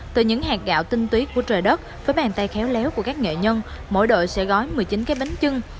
từ những hạt gạo tinh tuyết của trời đất với bàn tay khéo léo của các nghệ nhân mỗi đội sẽ gói một mươi chín cái bánh trưng